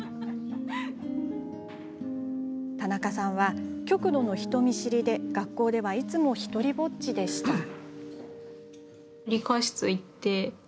田中さんは、極度の人見知りで学校ではいつも独りぼっちでした。